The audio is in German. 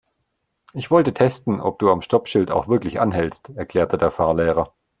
Ich wollte testen, ob du am Stoppschild auch wirklich anhältst, erklärte der Fahrlehrer.